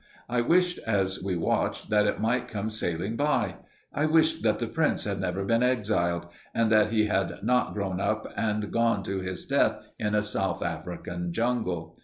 I wished, as we watched, that it might come sailing by. I wished that the prince had never been exiled, and that he had not grown up and gone to his death in a South African jungle.